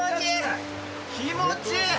気持ちいい。